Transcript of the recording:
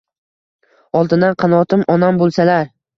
Oltindan qanotim onam bulsalar